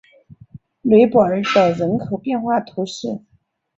雷博尔德人口变化图示